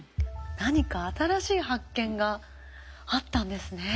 何か新しい発見があったんですね。